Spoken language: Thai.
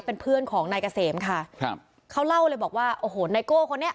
เป็นเพื่อนของนายเกษมค่ะครับเขาเล่าเลยบอกว่าโอ้โหไนโก้คนนี้